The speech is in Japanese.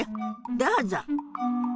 どうぞ。